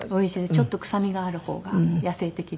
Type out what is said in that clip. ちょっと臭みがある方が野性的で好きですね。